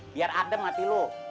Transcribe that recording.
biar adem hati lu